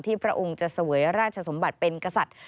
พระองค์จะเสวยราชสมบัติเป็นกษัตริย์